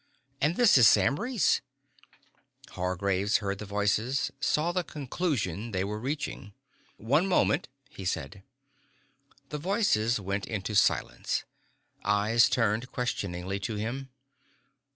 "And this is Sam Reese." Hargraves heard the voices, saw the conclusion they were reaching. "One moment," he said. The voices went into silence. Eyes turned questioningly to him.